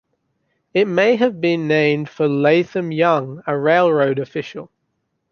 It may have been named for Latham Young, a railroad official.